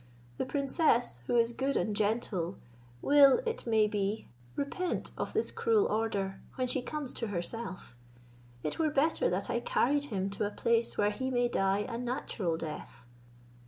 The princess, who is good and gentle, will, it may be, repent of this cruel order, when she comes to herself; it were better that I carried him to a place where he may die a natural death."